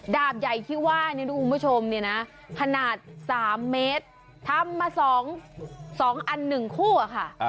ดาบใหญ่ที่ว่านี่นะคุณผู้ชมเนี่ยนะขนาด๓เมตรทำมา๒อัน๑คู่อะค่ะ